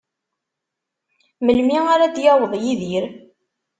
Melmi ara d-yaweḍ Yidir?